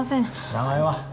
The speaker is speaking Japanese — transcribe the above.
名前は？